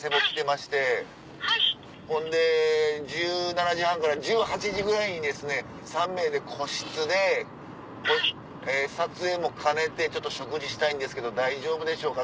ほんで１７時半から１８時ぐらいに３名で個室で撮影も兼ねてちょっと食事したいんですけど大丈夫でしょうか？